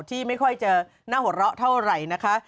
ที่ไม่ค่อยจะน่าหัวเราะเท่าไหร่นะคะ